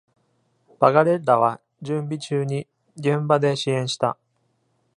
バガレッラは準備中に現場で支援した。